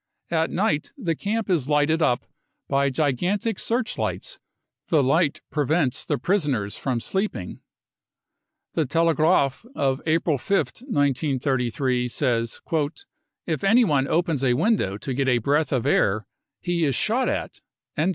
At night *he camp is lighted up by gigantic searchlights ; the light prevents the prisoners from sleeping. The Telegraaf of April 5th, 1933, says : 44 If anyone opens a window to get a breath of air, he is shot at."